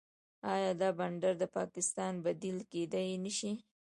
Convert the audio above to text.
آیا دا بندر د پاکستان بدیل کیدی نشي؟